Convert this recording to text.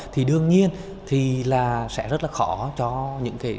thì đương nhiên thì là sẽ rất là khó cho những cái